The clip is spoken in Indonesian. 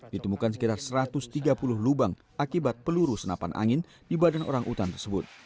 ditemukan sekitar satu ratus tiga puluh lubang akibat peluru senapan angin di badan orang utan tersebut